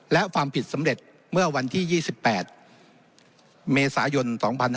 และความผิดสำเร็จเมื่อวันที่๒๘เมษายน๒๕๕๙